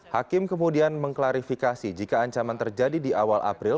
hakim kemudian mengklarifikasi jika ancaman terjadi di awal april